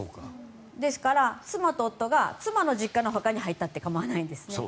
ですから、妻と夫が妻の実家のお墓に入ったって構わないんです。